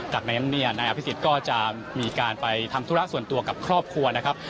จากนั้นเนี่ยนายอภิษฎก็จะมีการไปทำธุระส่วนตัวกับครอบครัวนะครับ